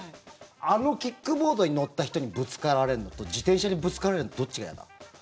あのキックボードに乗った人にぶつかられるのと自転車にぶつかられるのどっちがやだ？